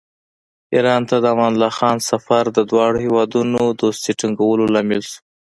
ایران ته د امان الله خان سفر د دواړو هېوادونو دوستۍ ټینګېدو لامل شو.